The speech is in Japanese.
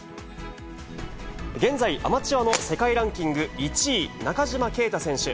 現在、アマチュアの世界ランキング１位、中島啓太選手。